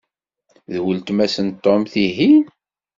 D weltma-s n Tom, tihin?